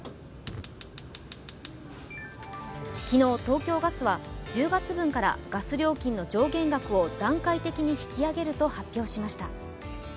昨日、東京ガスは１０月分からガス料金の上限額を段階的に引き上げると発表しました。